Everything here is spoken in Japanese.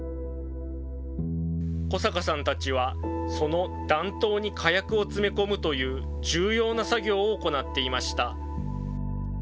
小坂さんたちはその弾頭に火薬を詰め込むという重要な作業を行っていました。